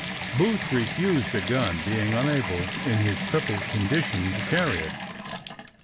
Booth refused a gun, being unable in his crippled condition to carry it.